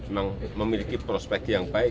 memang memiliki prospek yang baik